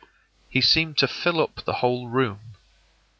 He seemed to fill up the whole room.